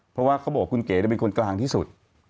เพราะว่าเขาบอกคุณเก๋เป็นคนกลางที่สุด